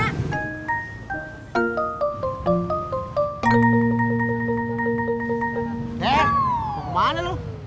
eh kemana lu